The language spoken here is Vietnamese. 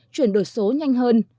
chuyển đổi số nhanh hơn